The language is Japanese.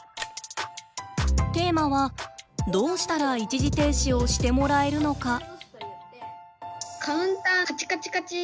テーマはどうしたら一時停止をしてもらえるのか。